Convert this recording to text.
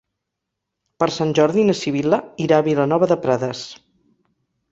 Per Sant Jordi na Sibil·la irà a Vilanova de Prades.